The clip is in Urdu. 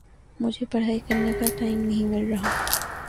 مجھے پڑھائی کرنے کا ٹائم نہیں مل رہا